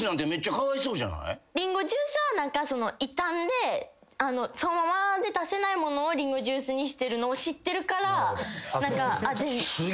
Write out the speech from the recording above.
りんごジュースは傷んでそのままで出せないものをりんごジュースにしてるのを知ってるから。